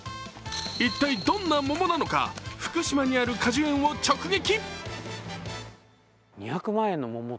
一体、どんな桃なのか福島にある果樹園を直撃。